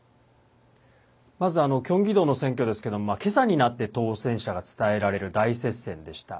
まずキョンギ道の選挙ですけどけさになって当選者が伝えられる大接戦でした。